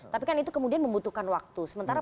tapi kan itu kemudian membutuhkan waktu sementara